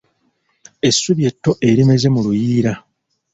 Essubi etto erimeze mu luyiira.